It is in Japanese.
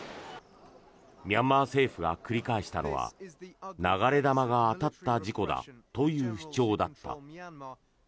ミャンマー政府が繰り返したのは流れ弾が当たった事故だという主張だった。